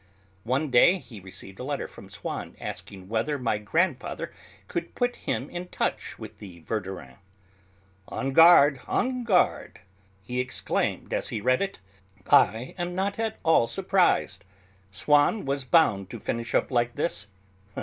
One day he received a letter from Swann asking whether my grandfather could put him in touch with the Verdurins. "On guard! on guard!" he exclaimed as he read it, "I am not at all surprised; Swann was bound to finish up like this.